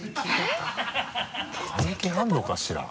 関係あるのかしら？